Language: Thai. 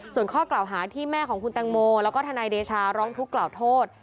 ส่วนข้อกล่าวหาที่แม่ของคุณแตงโมแล้วก็ทนายเดชาร้องทุกข์กล่าวโทษ